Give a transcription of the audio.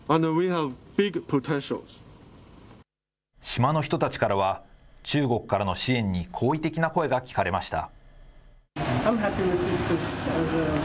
島の人たちからは、中国からの支援に好意的な声が聞かれました。